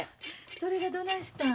それがどないしたん？